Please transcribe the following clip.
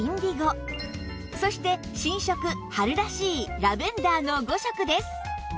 そして新色春らしいラベンダーの５色です